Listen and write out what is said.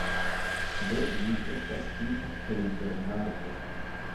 Do ĝi estas tipa peridermarbo.